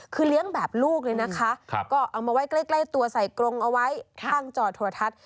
คือเลี้ยงแบบลูกเลยนะคะก็เอามาไว้ใกล้ตัวใส่กรงเอาไว้ข้างจอโทรทัศน์